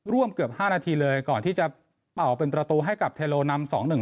เกือบ๕นาทีเลยก่อนที่จะเป่าเป็นประตูให้กับเทโลนำสองหนึ่ง